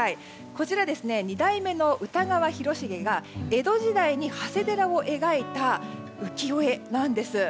こちら二代目歌川広重が江戸時代に長谷寺を描いた浮世絵なんです。